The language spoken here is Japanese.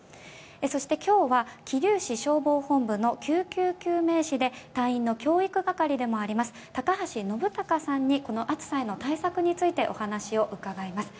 そして今日は桐生市消防本部の救急救命士で隊員の教育係でもあります高橋さんにこの暑さへの対策についてお話を伺います。